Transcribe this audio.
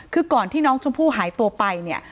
คือก่อนที่น้องชมพู่หายตัวไปเนี่ย